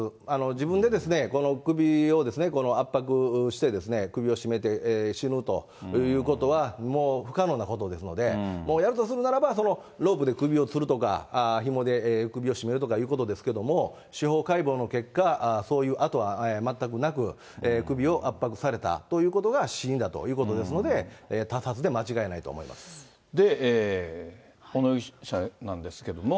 自分で首を圧迫して、首を絞めて、死ぬということはもう不可能なことですので、やるとするならば、そのロープで首をつるとか、ひもで首を絞めるとかいうことですけれども、司法解剖の結果、そういう痕は全くなく、首を圧迫されたということが死因だということですので、小野容疑者なんですけれども。